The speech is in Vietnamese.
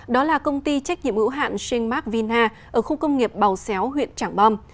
đó là công ty trách nhiệm ưu hạn shingmark vinha ở khu công nghiệp bào xéo huyện trảng bâm